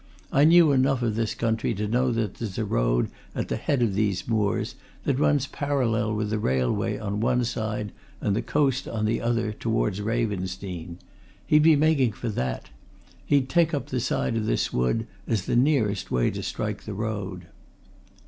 I knew enough of this country to know that there's a road at the head of these moors that runs parallel with the railway on one side and the coast on the other towards Ravensdene he'd be making for that. He'd take up the side of this wood, as the nearest way to strike the road."